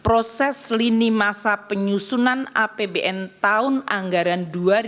proses lini masa penyusunan apbn tahun anggaran dua ribu dua puluh